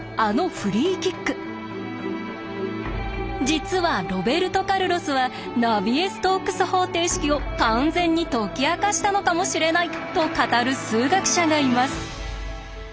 実はロベルト・カルロスはナビエ・ストークス方程式を完全に解き明かしたのかもしれないと語る数学者がいます。